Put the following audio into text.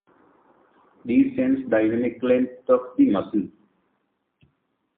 These sense dynamic length of the muscle.